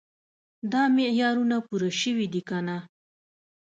دا معیارونه پوره شوي دي که نه.